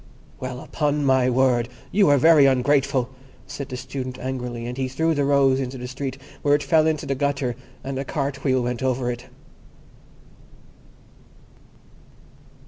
"Well, upon my word, you are very ungrateful," said the Student angrily; and he threw the rose into the street, where it fell into the gutter, and a cart wheel went over it.